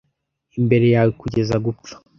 Imbere yawe kugeza gupfa?